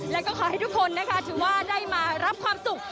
แล้วก็ขอให้ทุกคนนะคะถือว่าได้มารับความสุข